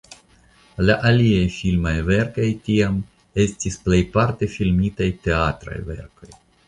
La aliaj filmaj verkoj tiam estis plejparte filmitaj teatraj verkoj.